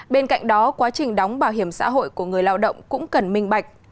bên cạnh đó quá trình đóng bảo hiểm xã hội của người lao động cũng cần minh bạch